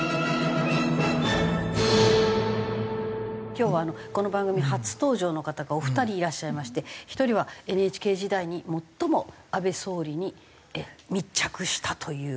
今日はこの番組初登場の方がお二人いらっしゃいまして１人はＮＨＫ時代に最も安倍総理に密着したという記者でいらっしゃいます